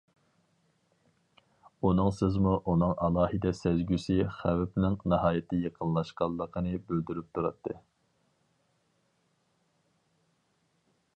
ئۇنىڭسىزمۇ، ئۇنىڭ ئالاھىدە سەزگۈسى خەۋپنىڭ ناھايىتى يېقىنلاشقانلىقىنى بىلدۈرۈپ تۇراتتى.